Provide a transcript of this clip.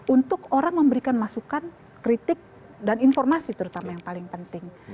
untuk orang memberikan masukan kritik dan informasi terutama yang paling penting